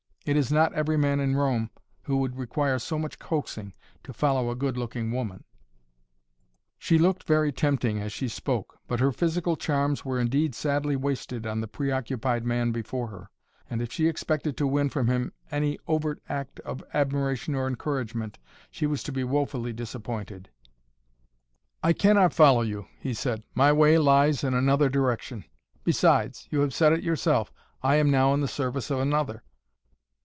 It is not every man in Rome who would require so much coaxing to follow a good looking woman " She looked very tempting as she spoke, but her physical charms were indeed sadly wasted on the pre occupied man before her, and if she expected to win from him any overt act of admiration or encouragement, she was to be woefully disappointed. "I cannot follow you," he said. "My way lies in another direction. Besides you have said it yourself I am now in the service of another."